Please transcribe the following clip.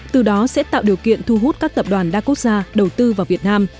từ đó sẽ tạo điều kiện thu hút các tập đoàn đa quốc gia đầu tư vào việt nam